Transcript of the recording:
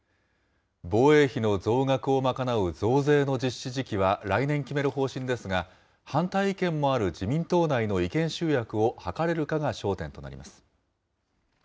防衛費の増額を賄う増税の実施時期は来年決める方針ですが、反対意見もある自民党内の意見集約を図れるかが焦点となります。